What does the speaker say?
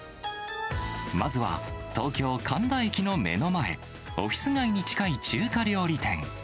まずは、東京・神田駅の目の前、オフィス街に近い中華料理店。